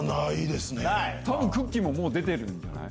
多分くっきー！ももう出てるんじゃない？